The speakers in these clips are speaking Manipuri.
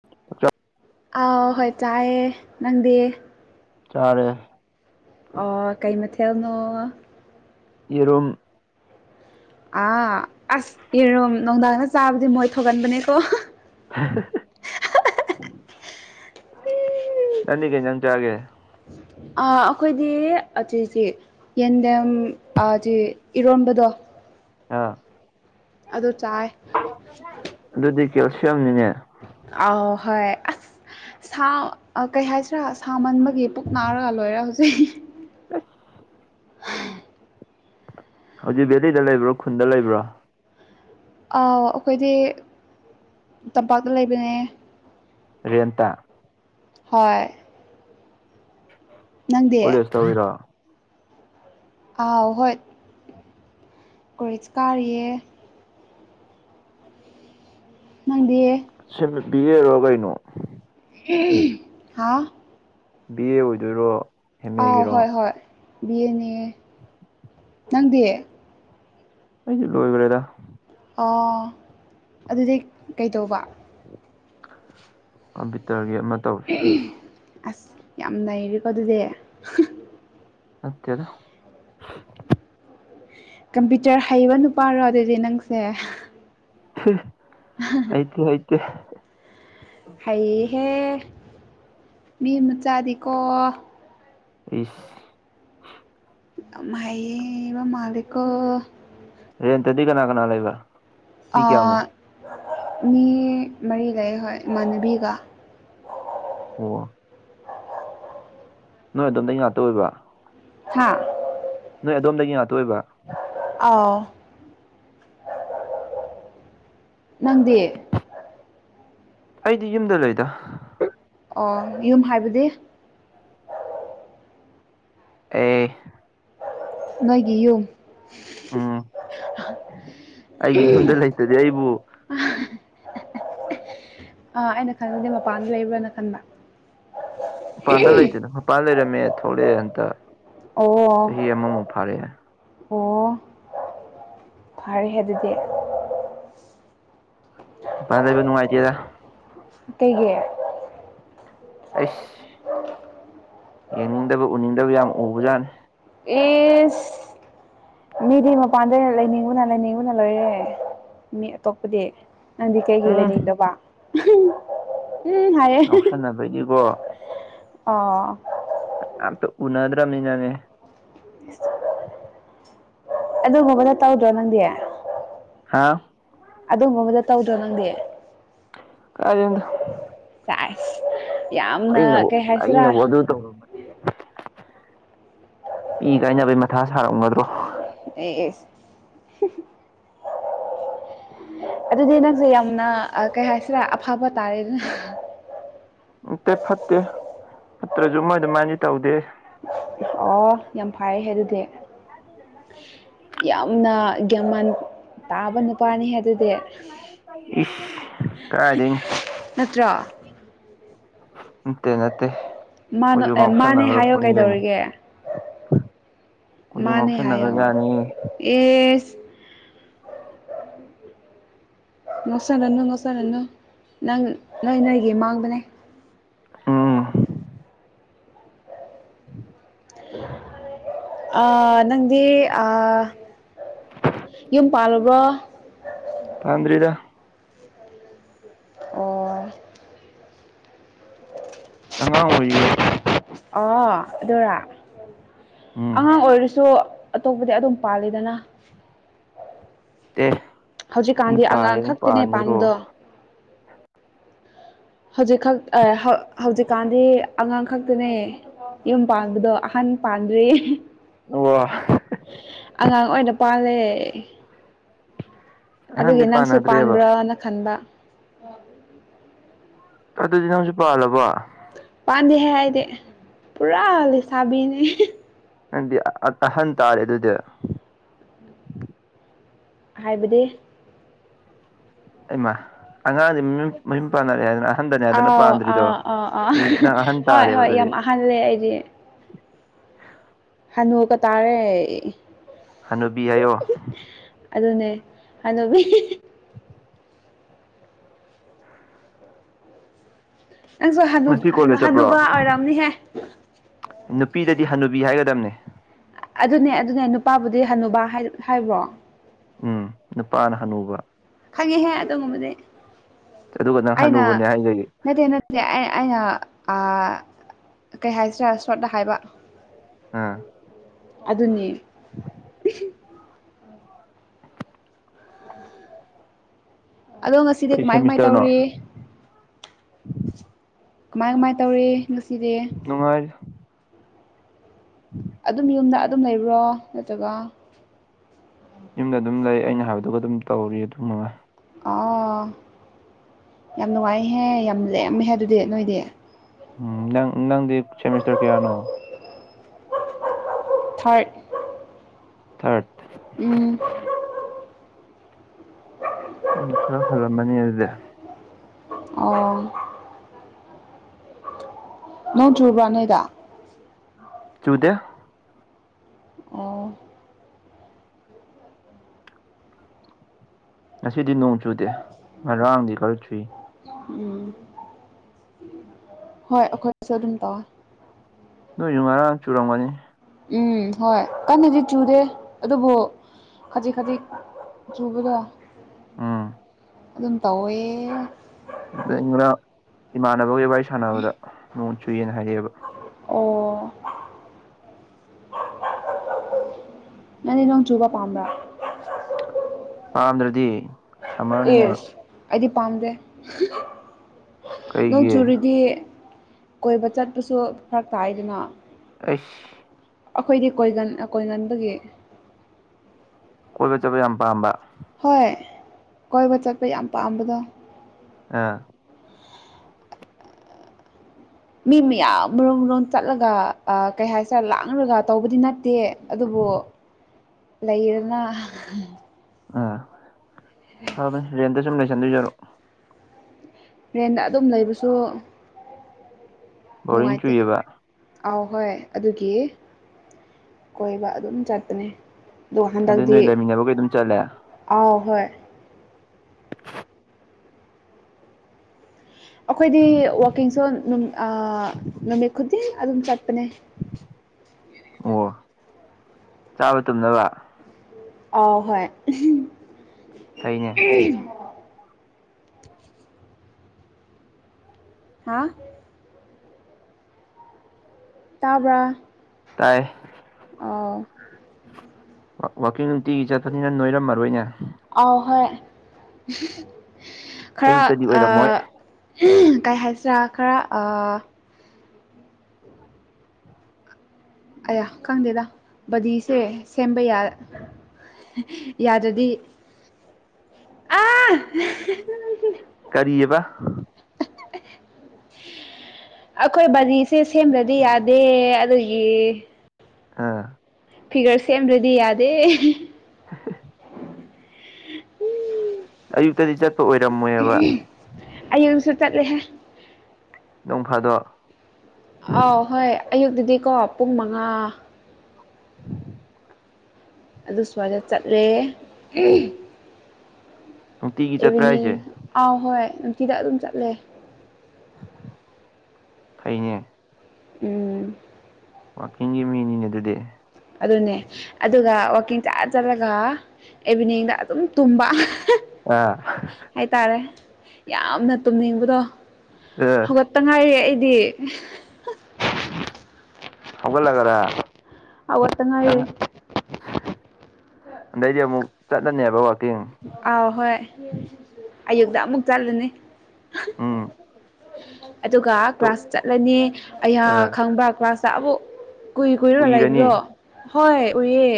[unintelligible] ꯑ ꯍꯣꯏ ꯆꯥꯏꯑꯦ ꯅꯪꯗꯤ ꯆꯥꯔꯦ ꯑꯣ ꯀꯩꯃꯊꯦꯜꯅꯣ ꯌꯦꯔꯨꯝ ꯑꯥ ꯑꯁ ꯌꯦꯔꯨꯝ ꯅꯨꯡꯗꯥꯡꯗ ꯆꯥꯕꯗꯤ ꯃꯣꯏ ꯊꯣꯛꯀꯟꯕꯅꯦꯀꯣ [unintelligible] ꯅꯪꯗꯤ ꯀꯩ ꯏꯟꯖꯥꯡ ꯆꯥꯒꯦ ꯑ ꯑꯩꯈꯣꯏꯗꯤ [unintelligible] ꯌꯦꯟꯗꯦꯝ ꯑꯆꯤ ꯏꯔꯣꯟꯕꯗꯣ ꯑꯥ ꯑꯗꯣ ꯆꯥꯏ [unintelligible] ꯑꯗꯨꯗꯤ ꯀꯦꯜꯁꯤꯌꯝꯅꯤꯅꯦ ꯑꯥꯎ ꯍꯣꯏ ꯑꯁ ꯁꯥ ꯑ ꯀꯩ ꯍꯥꯏꯁꯤꯔꯥ ꯁꯥ ꯃꯟꯕꯒꯤ ꯄꯨꯛ ꯅꯥꯔꯒ ꯂꯣꯏꯔꯦ ꯍꯧꯖꯤꯛ [inaudible] [inaudible] ꯍꯧꯖꯤꯛ ꯕꯦꯂꯤꯗ ꯂꯩꯕ꯭ꯔꯣ ꯈꯨꯟꯗ ꯂꯩꯕ꯭ꯔꯣ ꯑ ꯑꯩꯈꯣꯏꯗꯤ ꯇꯝꯄꯥꯛꯇ ꯂꯩꯕꯅꯦ ꯔꯦꯟꯇ ꯍꯣꯏ ꯅꯪꯗꯤ ꯇꯧꯋꯤꯔꯣ ꯑ ꯍꯣꯏ ꯀꯣꯂꯦꯁ ꯀꯥꯔꯤꯌꯦꯦ [inaudible] ꯅꯪꯗꯤꯌꯦ ꯁꯦꯝꯃꯤꯁ ꯕꯤ. ꯑꯦ. ꯔꯣ ꯀꯩꯅꯣ [unintelligible] ꯍꯥ ꯕꯤ. ꯑꯦ. ꯑꯣꯏꯗꯣꯏꯔꯣ ꯑꯦꯝ ꯑꯥꯎ ꯑꯦꯒꯤꯔꯣ ꯍꯣꯏ ꯍꯣꯏ ꯕꯤ. ꯑꯦ. ꯅꯦ ꯅꯪꯗꯤ ꯑꯩꯗꯤ ꯂꯣꯏꯒ꯭ꯔꯦꯗ ꯑꯣ ꯑꯗꯨꯗꯤ ꯀꯩꯇꯧꯕ ꯀꯝꯄ꯭ꯌꯨꯇꯔꯒꯤ ꯑꯃ ꯇꯧ [unintelligible] ꯑꯁ ꯌꯥꯝ ꯅꯩꯔꯦꯀꯣ ꯑꯗꯨꯗꯤ ꯅꯠꯇꯦꯗ ꯀꯝꯄ꯭ꯌꯨꯇꯔ ꯍꯩꯕ ꯅꯨꯄꯥꯔꯣ ꯑꯗꯨꯗꯤ ꯅꯪꯁꯦ ꯍꯩꯇꯦ ꯍꯩꯇꯦ ꯍꯩꯍꯦ ꯃꯤ ꯃꯆꯥꯗꯤꯀꯣ ꯏꯁ ꯌꯥꯝ ꯍꯩꯕ ꯃꯥꯂꯤꯀꯣ ꯔꯦꯟꯇꯗꯤ ꯀꯅꯥ ꯀꯅꯥ ꯂꯩꯕ ꯃꯤ ꯀꯌꯥꯃꯨꯛ ꯃꯤ ꯃꯔꯤ ꯂꯩ ꯍꯣꯏ ꯏꯃꯥꯟꯅꯕꯤꯒ ꯑꯣ ꯅꯣꯏ ꯑꯗꯣꯝꯗꯒꯤꯩ ꯉꯥꯛꯇ ꯑꯣꯏꯕ ꯍꯥꯥ ꯅꯣꯏ ꯑꯗꯣꯝꯗꯒꯤ ꯉꯥꯛꯇ ꯑꯣꯏꯕ ꯑꯥꯎ ꯅꯪꯗꯤ ꯑꯩꯗꯤ ꯌꯨꯝꯗ ꯂꯩꯗ ꯑꯣ ꯌꯨꯝ ꯍꯥꯏꯕꯗꯤ ꯑꯦ ꯅꯣꯢꯒꯤ ꯌꯨꯝ ꯎꯝ ꯑꯩꯒꯤ ꯌꯨꯝꯗ ꯂꯩꯇꯗꯤ ꯑꯩꯕꯨ [inaudible] ꯑꯥ ꯑꯩꯅ ꯈꯟꯕꯗꯤ ꯃꯄꯥꯟꯗ ꯂꯩꯕ꯭ꯔꯥꯅ ꯈꯟꯕ ꯃꯄꯥꯟꯗ ꯂꯩꯇꯦꯗ ꯃꯄꯥꯟ ꯂꯩꯔꯝꯃꯦ ꯊꯣꯛꯂꯛꯑꯦ ꯍꯟꯇꯛ ꯑꯣ ꯆꯍꯤ ꯑꯃꯃꯨꯛ ꯐꯥꯔꯛꯑꯦ ꯑꯣ ꯐꯔꯦ ꯑꯗꯨꯗꯤ ꯄꯥꯜ ꯂꯩꯕꯅꯨꯡꯉꯥꯇꯦꯗ ꯀꯩꯒꯤ ꯑꯩꯁ ꯌꯦꯡꯅꯤꯡꯗꯕ ꯎꯅꯤꯡꯗꯕ ꯌꯥꯝ ꯎꯕꯖꯥꯠꯅꯤ ꯏꯁ ꯃꯤꯗꯤ ꯃꯄꯥꯟꯗ ꯂꯩꯅꯤꯡꯕꯅ ꯂꯩꯅꯤꯡꯕꯅ ꯂꯣꯏꯔꯦ ꯃꯤ ꯑꯇꯣꯞꯄꯗꯤ ꯅꯪꯗꯤ ꯀꯩꯒꯤ ꯎꯝ ꯂꯩꯅꯤꯡꯗꯕ ꯎꯝ ꯍꯥꯏꯌꯦ ꯉꯥꯎꯁꯟꯅꯕꯒꯤꯀꯣ ꯑꯥ ꯑꯝꯇ ꯎꯅꯗ꯭ꯔꯥꯝꯅꯤ ꯅꯅꯦ ꯑꯗꯨꯒꯨꯝꯕꯅ ꯇꯧꯗ꯭ꯔꯣ ꯅꯪꯗꯤ ꯍꯥ ꯑꯗꯨꯒꯨꯝꯕ ꯑꯃꯗ ꯇꯧꯗ꯭ꯔꯣ ꯅꯪꯗꯤ ꯀꯥꯏ ꯗꯒꯤꯅꯣꯗ ꯆꯥꯏ ꯑꯩꯅ ꯑꯩꯅꯕꯨ ꯑꯗꯨ ꯇꯧꯔꯝꯃꯗꯤ ꯄꯤ ꯀꯥꯏꯅꯕꯩ ꯃꯊꯥ ꯁꯥꯔꯝꯒꯗ꯭ꯔꯣ ꯏꯁ ꯑꯗꯨꯗꯤ ꯅꯪꯁꯦ ꯌꯥꯝꯅ ꯀꯩ ꯍꯥꯏꯁꯤꯔ ꯑꯐꯕ ꯇꯥꯔꯦ ꯑꯗꯨꯅ ꯎꯠꯇꯦ ꯐꯠꯇꯦ ꯐꯠꯇ꯭ꯔꯁꯨ ꯃꯣꯏ ꯑꯗꯨꯃꯥꯏꯗꯤ ꯇꯧꯗꯦ ꯑꯣ ꯌꯥꯝ ꯐꯔꯦ ꯑꯗꯨꯗꯤ ꯀꯩ ꯌꯥꯝꯅ ꯒ꯭ꯌꯥꯃꯟ ꯇꯥꯕ ꯅꯨꯄꯥꯅꯤ ꯑꯗꯨꯗꯤ ꯏꯁ ꯀꯥꯏꯗꯩꯅꯣ ꯅꯠꯇ꯭ꯔꯣ ꯅꯠꯇꯦ ꯅꯠꯇꯦ ꯑꯩꯈꯣꯏꯁꯨ ꯃꯥꯅ ꯑꯦ ꯃꯥꯅꯦ ꯍꯥꯏꯌꯣ ꯉꯥꯎꯁꯟꯅꯈ꯭ꯔꯕꯅꯤ ꯀꯩꯅꯣ ꯀꯩꯗꯧꯔꯤꯒꯦ ꯀꯣꯏꯁꯨ ꯉꯥꯎꯁꯟꯅꯒ꯭ꯔ ꯖꯥꯠꯅꯤ ꯏꯁ ꯉꯣꯁꯟꯅꯅꯨ ꯉꯣꯁꯜꯂꯅꯨ ꯅꯪ ꯅꯣꯏ ꯂꯩꯒꯤ ꯃꯥꯡꯕꯅꯦ ꯎꯝ ꯎꯝ [inaudible] ꯑ ꯅꯪꯗꯤ ꯑ ꯌꯨꯝ ꯄꯥꯜꯂꯕ꯭ꯔꯣ ꯄꯥꯟꯗ꯭ꯔꯤꯗ ꯑꯣ ꯑꯉꯥꯡ ꯑꯣꯏꯔꯤꯗ ꯑ ꯑꯗꯨꯔꯥ ꯎꯝ ꯑꯉꯥꯡ ꯑꯣꯏꯔꯁꯨ ꯑꯇꯣꯞꯄꯗꯤ ꯑꯗꯨꯝ ꯄꯥꯜꯂꯤꯗꯅ ꯑꯦ ꯃꯤ ꯍꯧꯖꯤꯛꯀꯥꯟꯗꯤ ꯑꯉꯥꯡ ꯄꯥꯜꯂꯤꯅ ꯈꯛꯇꯅꯦ ꯄꯥꯟꯒꯗꯔꯣ ꯄꯥꯟꯕꯗꯣ ꯍꯧꯖꯤꯛꯈꯛ ꯍꯧꯖꯤꯛꯀꯥꯟꯗꯤ ꯑꯉꯥꯡ ꯈꯛꯇꯅꯦ ꯌꯨꯝ ꯄꯥꯟꯕꯗꯣ ꯑꯍꯟ ꯄꯥꯟꯗ꯭ꯔꯤ ꯑꯣ ꯑꯉꯥꯡ ꯑꯣꯏꯅ ꯄꯥꯜꯂꯦ ꯑꯗꯨꯒꯤ ꯑꯍꯟꯗꯤ ꯅꯪꯁꯨ ꯄꯥꯟꯅꯗ꯭ꯔꯦꯕ ꯄꯥꯟꯕ꯭ꯔꯅ ꯈꯟꯕ ꯑꯗꯨꯗꯤ ꯅꯪꯁꯨ ꯄꯥꯜꯂꯕꯣ ꯄꯥꯟꯗꯦꯌꯦ ꯑꯩꯗꯤ ꯄꯨꯔꯥ ꯂꯩꯁꯥꯕꯤꯅꯦ ꯅꯪꯗꯤ ꯑꯍꯟ ꯇꯥꯔꯦ ꯑꯗꯨꯗꯤ ꯍꯥꯏꯕꯗꯤ ꯑꯩꯃ ꯑꯉꯥꯡꯗꯤ ꯃꯨ ꯃꯌꯨꯝ ꯄꯥꯟꯅꯔꯦ ꯍꯥꯏꯗꯅ ꯑꯍꯟꯗꯅꯦ ꯍꯥꯏꯗꯅ ꯑꯥꯎ ꯄꯥꯟꯗ꯭ꯔꯤꯗꯣ ꯑꯥ ꯑꯗꯨ ꯅꯪ ꯑꯍꯟ ꯇꯥꯔꯦꯕ ꯑꯗꯨꯗꯤ ꯈꯜꯂꯦ ꯑꯩꯗꯤ ꯍꯅꯨꯕ ꯇꯥꯔꯦ ꯍꯅꯨꯕꯤ ꯍꯥꯏꯌꯣ ꯑꯗꯨꯅꯦ ꯍꯅꯨꯕꯤ ꯅꯪꯁꯨ ꯉꯁꯤ ꯀꯣꯂꯦꯖ ꯍꯅꯨꯕ ꯆꯠꯄ꯭ꯔꯣ ꯑꯣꯏꯔꯝꯅꯤꯍꯦ ꯅꯨꯄꯤꯗꯗꯤ ꯍꯅꯨꯕꯤ ꯍꯥꯏꯒꯗꯕꯅꯦ ꯑꯗꯨꯅꯦ ꯑꯗꯨꯅꯦ ꯅꯨꯄꯥꯕꯨꯗꯤ ꯍꯅꯨꯕꯥ ꯍꯥꯏꯕ꯭ꯔꯣ ꯎꯝ ꯅꯨꯄꯥꯅ ꯍꯅꯨꯕ ꯈꯪꯉꯤꯍꯦ ꯑꯗꯨꯒꯨꯝꯕꯗꯤ ꯑꯗꯨꯒ ꯅꯪ ꯑꯩꯅ ꯍꯅꯨꯕꯅꯦ ꯍꯥꯏꯗꯨꯗꯤ ꯅꯠꯇꯦ ꯅꯠꯇꯦ ꯑꯩ ꯑꯩꯅ ꯀꯩ ꯍꯥꯏꯁꯤꯔꯥ ꯁꯣꯠꯇ ꯍꯥꯏꯕ ꯑꯥ ꯑꯗꯨꯅꯦ ꯑꯗꯣ ꯉꯁꯤꯗꯤ ꯀꯩ ꯀꯃꯥꯏ ꯀꯃꯥꯏ ꯁꯦꯃꯤꯁꯇꯔꯅꯣ ꯇꯧꯔꯤ ꯀꯃꯥꯏ ꯀꯃꯥꯏ ꯇꯧꯔꯤ ꯉꯁꯤꯗꯤ ꯅꯨꯡꯉꯥꯏ ꯎꯝ [inaudible] ꯑꯗꯨꯝ ꯌꯨꯝꯗ ꯑꯗꯨꯝ ꯂꯩꯕ꯭ꯔꯣ ꯅꯠꯇ꯭ꯔꯒ ꯌꯨꯝꯗ ꯑꯗꯨꯝ ꯂꯩ ꯑꯩꯅ ꯍꯥꯏꯕꯗꯨꯒ ꯑꯗꯨꯝ ꯇꯧꯔꯤ ꯑꯗꯨ ꯃꯉꯥ ꯑꯣ ꯌꯥꯝ ꯅꯨꯡꯉꯥꯏꯍꯦ ꯌꯥꯝ ꯂꯦꯝꯃꯦꯍꯦ ꯑꯗꯨꯗꯤ ꯅꯣꯏꯗꯤ ꯎꯝ ꯅꯪ ꯅꯪꯗꯤ ꯁꯦꯃꯤꯁꯇꯔ ꯀꯌꯥꯅꯣ ꯊꯥ꯭ꯔꯠ ꯊ꯭ꯥꯔꯠ ꯎꯝ ꯑꯩꯈꯣꯢꯅ ꯈꯔ ꯍꯜꯂꯝꯃꯅꯤ ꯑꯗꯨꯗꯤ ꯑꯣ ꯅꯣꯡ ꯆꯨꯕ꯭ꯔꯣ ꯅꯣꯢꯗꯤ ꯆꯨꯗꯦ ꯑꯣ ꯉꯁꯤꯗꯤ ꯅꯣꯡ ꯆꯨꯗꯦ ꯉꯔꯥꯡꯗꯤ ꯈꯔ ꯆꯨꯏ ꯎꯝ ꯍꯣꯏ ꯑꯩꯈꯣꯏꯁꯨ ꯑꯗꯨꯝ ꯇꯧꯋꯦ ꯅꯣꯏꯁꯨ ꯉꯔꯥꯡ ꯆꯨꯔꯝꯒꯅꯤ ꯎꯝ ꯍꯣꯏ ꯀꯟꯅꯗꯤ ꯆꯨꯗꯦ ꯑꯗꯨꯕꯨ ꯈꯖꯤꯛ ꯈꯖꯤꯛ ꯆꯨꯕꯗ ꯑꯥ ꯑꯗꯨꯝ ꯇꯧꯋꯦ ꯑ ꯑꯩꯅ ꯏꯃꯥꯟꯅꯕꯒꯤ ꯋꯥꯔꯤ ꯁꯥꯟꯅꯕꯗ ꯅꯣꯡ ꯆꯨꯌꯦꯅ ꯍꯥꯏꯔꯛꯑꯦꯕ ꯑꯣ [inaudible] ꯅꯪꯗꯤ ꯅꯪ ꯆꯨꯕ ꯄꯥꯝꯕ꯭ꯔꯥ ꯄꯥꯝꯗ꯭ꯔꯗꯤ ꯁꯝꯃꯔꯅꯤꯅ ꯌꯦꯁ ꯑꯩꯗꯤ ꯄꯥꯝꯗꯦ ꯅꯣꯡ ꯀꯩꯒꯤ ꯆꯨꯔꯤꯗꯤ ꯀꯣꯏꯕ ꯆꯠꯄꯁꯨ ꯐꯔꯛ ꯇꯥꯏꯗꯅ ꯑꯁ ꯑꯩꯈꯣꯏꯗꯤ ꯀꯣꯏꯒꯟ ꯀꯣꯏꯒꯟꯕꯒꯤ ꯀꯣꯏꯕ ꯆꯠꯄ ꯌꯥꯝ ꯄꯥꯝꯕ ꯍꯣꯏ ꯀꯣꯏꯕ ꯆꯠꯄ ꯌꯥꯝ ꯄꯥꯝꯕꯗꯣ ꯑꯥ ꯃꯤ ꯃꯌꯥꯝ ꯃꯔꯨꯝ ꯃꯔꯨꯝ ꯆꯠꯂꯒ ꯀꯩ ꯍꯥꯏꯁꯤꯔꯦ ꯂꯥꯡꯔꯒ ꯇꯧꯕꯗꯤ ꯅꯠꯇꯦ ꯑꯗꯨꯕꯨ ꯂꯩꯗꯅ ꯑꯥ ꯐꯕꯅꯤ ꯔꯦꯟꯗ ꯁꯨꯝ ꯂꯩꯁꯟꯗꯣꯏꯖꯔꯛ ꯇ꯭ꯔꯦꯟꯗ ꯑꯗꯨꯝ ꯂꯩꯕꯁꯨ ꯕꯣꯔꯤꯡ ꯅꯨꯡꯉꯥꯏꯇ ꯆꯨꯏꯌꯦꯕ ꯑꯧ ꯍꯣꯏ ꯑꯗꯨꯒꯤ ꯀꯣꯏꯕ ꯑꯗꯨꯝ ꯆꯠꯄꯅꯦ ꯑꯗꯣ ꯑꯗꯨ ꯍꯟꯗꯛꯇꯤ ꯅꯣꯏ ꯂꯩꯃꯤꯟꯅꯕꯈꯩ ꯑꯗꯨꯝ ꯆꯠꯂꯦ ꯑꯥꯎ ꯍꯣꯏ ꯑꯩꯈꯣꯏꯗꯤ ꯋꯥꯛꯀꯤꯡꯁꯨ ꯅꯨꯃꯤꯠ ꯈꯨꯗꯤꯡ ꯑꯗꯨꯝ ꯆꯠꯄꯅꯦ ꯑꯣ ꯆꯥꯕ ꯇꯝꯅꯕ ꯑ ꯍꯣꯏ ꯑꯩꯩꯅ ꯎ ꯍꯥꯥ [inaudible] ꯇꯥꯕ꯭ꯔꯥ ꯇꯥꯏ ꯑꯥꯎ ꯋꯥꯛꯀꯤꯡ ꯅꯨꯡꯇꯤꯒꯤ ꯆꯠꯄꯅꯤꯅ ꯅꯣꯏꯔꯝꯃꯔꯣꯏꯅꯦ ꯑꯥꯎ ꯍꯣꯏ ꯈꯔ ꯑꯌꯨꯛꯇꯗꯤ ꯑ ꯑꯣꯏꯔꯝꯃꯣꯏ ꯀꯩ ꯍꯥꯏꯁꯤꯔꯥ ꯈꯔ ꯑꯌꯥ ꯈꯪꯗꯦꯗ ꯕꯗꯤꯁꯦ ꯁꯦꯝꯕ ꯌꯥ ꯌꯥꯗꯗꯤ ꯑ ꯀꯔꯤꯔꯤꯕ [inaudible] ꯑꯩꯈꯣꯏ ꯕꯔꯤꯁꯦ ꯁꯦꯝꯗ꯭ꯔꯗꯤ ꯌꯥꯗꯦ ꯑꯗꯨꯒꯤ ꯑꯥ ꯐꯤꯒꯔ ꯁꯦꯝꯗ꯭ꯔꯗꯤ ꯌꯥꯗꯦ [inaudible] ꯑꯌꯨꯛꯇꯗꯤ ꯆꯠꯄ ꯑꯣꯏꯔꯝꯃꯣꯏꯕ ꯑꯌꯨꯛꯁꯨ ꯆꯠꯂꯦꯍꯦ ꯅꯣꯡ ꯐꯥꯗꯣ ꯑꯥꯎ ꯍꯣꯏ ꯑꯌꯨꯛꯇꯗꯤꯀꯣ ꯄꯨꯡ ꯃꯉꯥ ꯑꯗꯨ ꯁ꯭ꯋꯥꯏꯗ ꯆꯠꯂꯦ ꯅꯨꯡꯇꯤꯒꯤ ꯆꯠꯄ꯭ꯔꯥ ꯏꯚꯤꯅꯤꯡ ꯍꯥꯏꯁꯦ ꯑꯥꯎ ꯍꯣꯏ ꯅꯨꯡꯇꯤꯗ ꯑꯗꯨꯝ ꯆꯠꯂꯦ ꯐꯩꯩꯅ ꯎꯝ ꯋꯥꯋꯥꯛꯀꯤꯡꯒꯤ ꯃꯤꯅꯤꯅꯦ ꯑꯗꯨꯗꯤ ꯑꯗꯨꯅꯦ ꯑꯗꯨꯒ ꯋꯥꯛꯀꯤꯡ ꯆꯠ ꯆꯠꯂꯒ ꯏꯚꯤꯅꯤꯡꯗ ꯑꯗꯨꯝ ꯇꯨꯝꯕ ꯑ ꯍꯥꯏꯇꯥꯔꯦ ꯌꯥꯝꯅ ꯇꯨꯝꯅꯤꯡꯕꯗꯣ ꯑ ꯇ ꯉꯥꯏꯔꯦ ꯑꯩꯗꯤ꯫ ꯍꯧꯒꯜꯂꯒꯔꯥ꯫ ꯍꯧꯒꯠꯇ ꯉꯥꯏꯔꯤ꯫ ꯑꯗꯩꯗꯤ ꯑꯃꯨꯛ ꯆꯠꯂꯅꯦꯕ ꯋꯥꯛꯀꯤꯡ꯫ ꯑꯧ ꯍꯣꯏ ꯑꯌꯨꯛꯇ ꯑꯃꯨꯛ ꯆꯠꯂꯨꯅꯤ꯫ ꯎꯝ꯫ ꯑꯗꯨꯒ ꯇꯣ ꯀ꯭ꯂꯥꯁ ꯆꯠꯂꯅꯤ ꯑꯩꯍꯥꯛ ꯑꯥ ꯈꯪꯕ꯭ꯔ ꯀ꯭ꯂꯥꯁꯇ ꯑꯃꯨꯛ꯫ ꯀꯨꯏ ꯀꯨꯏꯔꯒ ꯂꯩꯏꯕꯗꯣ ꯎꯏꯔꯅꯤ ꯍꯣꯏ ꯑꯨꯏꯌꯦ꯫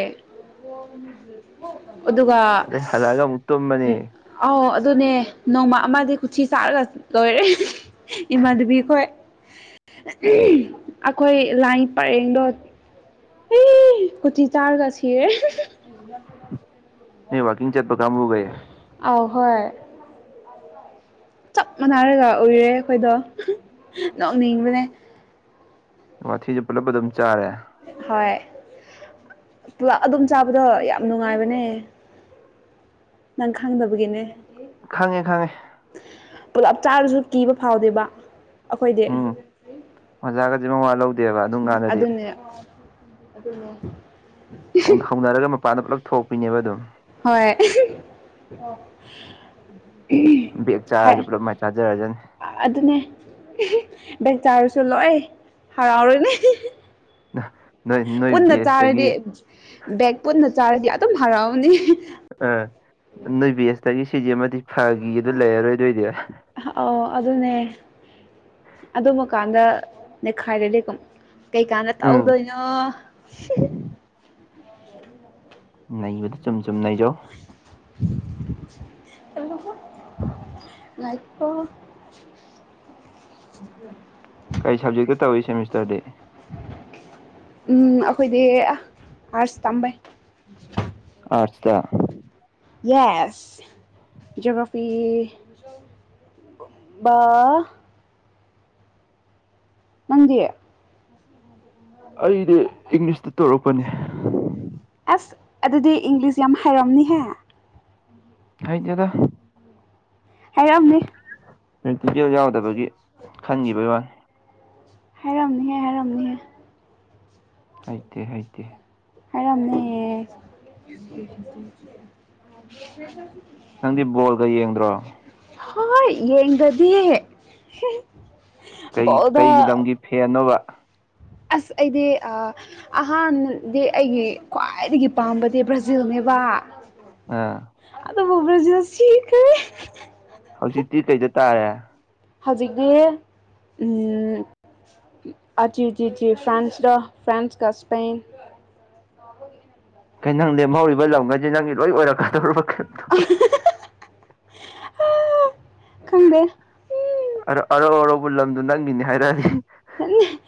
ꯑꯗꯨꯒ ꯑꯗꯩ ꯍꯜꯂꯛꯑꯒ ꯑꯃꯨꯛ ꯇꯨꯝꯃꯅꯤ ꯑꯧ ꯑꯗꯨꯅꯦ ꯅꯣꯡꯃ ꯑꯃꯗꯤ ꯀꯊꯤ ꯆꯥꯔꯒ ꯂꯣꯏꯔꯦ ꯏꯃꯥꯗꯕꯤꯈꯣꯏ ꯑꯩꯈꯣꯏ ꯂꯥꯏ ꯄꯔꯦꯡꯗꯣ ꯑꯦ ꯎꯊ ꯇꯔꯒꯁꯤ ꯅ ꯋꯥꯀꯤꯡ ꯆꯠꯄ ꯀꯝꯕꯕꯨꯒꯦ ꯑ ꯍꯣꯏ ꯆꯞ ꯃꯥꯟꯅꯔꯒ ꯎꯏꯔꯦ ꯑꯩꯈꯣꯏꯗꯣ ꯅꯣꯛꯅꯤꯡꯕꯅꯦ ꯋꯥꯊꯤꯁꯨ ꯄꯨꯂꯞ ꯑꯗꯨꯝ ꯆꯥꯔꯦ ꯍꯣꯏ ꯄꯨꯂꯞ ꯑꯗꯨꯝ ꯆꯥꯕꯗꯣ ꯌꯥꯝ ꯅꯨꯡꯉꯥꯏꯕꯅꯦ꯫ ꯅꯪ ꯈꯪꯗꯕꯒꯤꯅꯦ꯫ ꯈꯪꯉꯦ ꯈꯪꯉꯦ꯫ ꯄꯨꯂꯞ ꯆꯥꯔꯁꯨ ꯀꯤꯕ ꯐꯥꯎꯗꯦꯕ ꯑꯩꯈꯣꯏꯗꯤ꯫ ꯑꯣꯖꯥꯒꯖꯤ ꯃꯋꯥ ꯂꯧꯗꯦꯕ ꯑꯗꯨꯝ ꯀꯥꯟꯗꯗꯤ꯫ [unintelligible] ꯑꯗꯨꯅꯦ꯫ ꯍꯧ ꯍꯧꯅꯔꯒ ꯃꯄꯥꯟꯗ ꯄꯨꯂꯞ ꯊꯣꯛꯄꯤꯅꯦꯕ ꯑꯗꯨꯝ꯫ ꯍꯣꯏ꯫ ꯕꯦꯒ ꯆꯥꯔꯁꯨ ꯄꯨꯂꯞ ꯃꯥꯏ ꯆꯥꯖꯔꯖꯅꯤ꯫ ꯑꯗꯨꯅꯦ ꯕꯦꯛ ꯆꯥꯔꯁꯨ ꯂꯣꯏ ꯍꯔꯥꯎꯔꯅꯤ꯫ [unintelligible] ꯄꯨꯟꯅ ꯆꯥꯔꯗꯤ ꯕꯦꯁꯇꯒꯤ ꯕꯦꯛ ꯄꯨꯟꯅ ꯆꯥꯔꯗꯤ ꯑꯗꯨꯝ ꯍꯔꯥꯎꯅꯤ꯫ ꯑ ꯅꯣꯏ ꯕꯦꯁꯇꯒꯤ ꯁꯤꯖꯤꯃꯗꯤ ꯐꯒꯤ ꯑꯗꯨ ꯂꯩꯔꯔꯣꯏꯗꯣꯏꯅꯦ꯫ ꯑꯣ ꯑꯗꯨꯅꯦ꯫ ꯑꯗꯨꯃꯀꯥꯟꯗ ꯅꯦꯈꯥꯏꯔꯗꯤ ꯀꯝ ꯀꯩꯀꯥꯟꯗ ꯎꯝ ꯇꯧꯗꯣꯏꯅꯣ꯫ ꯅꯩꯕꯗꯨ ꯆꯨꯝ ꯆꯨꯝ ꯅꯩꯖꯧ꯫ [unintelligible] [unintelligible] ꯂꯥꯏꯛꯇꯣ꯫ [inaudible] ꯀꯔꯤ ꯁꯕꯖꯦꯛꯇ ꯇꯧꯏ ꯁꯦꯃꯤꯁꯇꯔꯗꯤ꯫ ꯎꯝ ꯑꯩꯈꯣꯏꯗꯤ ꯑꯥꯔꯁ ꯇꯝꯕꯩ꯫ ꯑꯥꯔꯠꯁꯇ꯫ Yes geography. ꯕꯥ꯫ ꯅꯪꯗꯤ꯫ ꯑꯩꯗꯤ ꯏꯪꯂꯤꯁꯇ ꯇꯧꯔꯛꯄꯅꯦ꯫ ꯑꯁ ꯑꯗꯨꯗꯤ ꯏꯪꯂꯤꯁ ꯌꯥꯝ ꯍꯩꯔꯝꯅꯤꯍꯦ꯫ ꯍꯩꯇꯦꯗ꯫ ꯍꯥꯏꯔꯝꯅꯤ꯫ ꯄ꯭ꯔꯦꯛꯇꯤꯀꯦꯜ ꯌꯥꯎꯗꯕꯒꯤ ꯈꯟꯈꯤꯕꯩ ꯋꯥꯅꯤ꯫ ꯍꯥꯏꯔꯝꯅꯤꯍꯦ ꯍꯥꯏꯔꯝꯅꯤꯍꯦ꯫ ꯍꯩꯇꯦ ꯍꯩꯇꯦ꯫ ꯍꯥꯏꯔꯝꯃꯦꯌꯦ ꯅꯪꯗꯤ ꯕꯣꯜꯒ ꯌꯦꯡꯗ꯭ꯔꯣ ꯍ ꯌꯦꯒꯗꯤꯦ ꯀꯩ ꯀꯩ ꯂꯝꯒꯤ ꯐꯦꯟꯅꯣꯕ ꯑꯁ ꯑꯩꯗꯤ ꯑꯍꯥꯟꯕꯗꯤ ꯑꯩꯒꯤ ꯈ꯭ꯋꯥꯏꯗꯒꯤ ꯄꯥꯝꯕꯗꯤ ꯕ꯭ꯔꯥꯖꯤꯜꯅꯦꯕ ꯑ ꯑꯗ ꯕꯕꯔꯣꯖꯁ ꯊ ꯍꯧꯖꯤꯛꯇꯤ ꯀꯩꯗ ꯇꯥꯔꯦ ꯍꯧꯖꯤꯛꯗꯤ ꯎꯝ꯫ ꯑꯆꯤꯖꯤꯖꯤ ꯐ꯭ꯔꯥꯟꯁꯗꯣ ꯐ꯭ꯔꯥꯟꯁꯀ ꯁ꯭ꯄꯦꯟ꯫ ꯀꯩ ꯅꯪ ꯂꯦꯝꯍꯧꯔꯤꯕ ꯂꯝꯒꯩꯖꯤ ꯅꯪꯒꯤ ꯂꯣꯏ ꯑꯣꯏꯔꯛꯀꯗꯧꯔꯕ [unintelligible] [unintelligible] ꯈꯪꯗꯦ꯫ ꯑꯗ ꯑꯔꯧ ꯑꯔꯧꯕ ꯂꯝꯗꯨ ꯅꯪꯒꯤꯅꯦ ꯍꯥꯏꯔꯛꯑꯗꯤ꯫ [unintelligible]